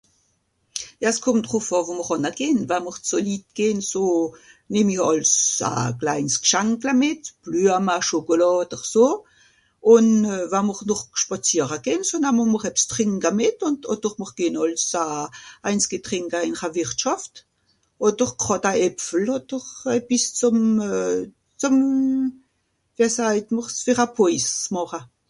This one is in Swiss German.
Ja s'kùmmt drùf àà wo mr ànna gehn, wa mr zù Litt gehn, so, nìmm i àls a kleins Gschankla mìt. Blüama Schokolàà odder so. Ùn euh... wa'mr noch spàziera gehn so namma mr ebbs trìnka mìt, ùn... odder mr gehn àls a... eins ge trìnke ìn'ra Wìrtschàft. Odder (...) odder e biss zùm... euh... zùm... wia sajt mr's fer a (...) màcha.